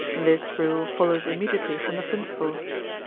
This rule fol lows immediately from the principle.